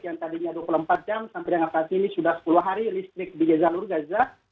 yang tadinya dua puluh empat jam sampai dengan saat ini sudah sepuluh hari listrik di jalur gaza